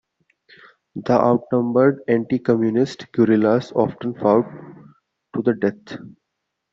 The outnumbered anticommunist guerrillas often fought to the death.